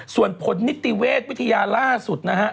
ส่วนผลนิติเวชวิทยาล่าสุดนะฮะ